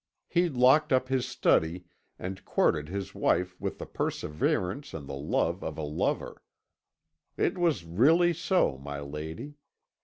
He locked up his study, and courted his wife with the perseverance and the love of a lover. It was really so, my lady.